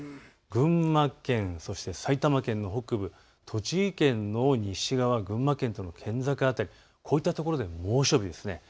群馬県、そして埼玉県の北部、栃木県の西側、群馬県との県境辺り、こういったところで猛暑日です。